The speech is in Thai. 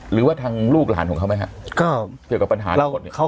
หรือว่าทางลูกหลานของเขาไหมฮะเกี่ยวกับปัญหาของเขา